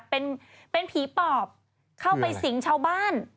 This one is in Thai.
เป็นผีปอบเข้าไปสิงชาวบ้าน